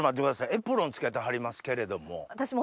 エプロン着けてはりますけれども。